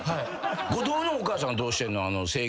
後藤のお母さんはどうしてんの？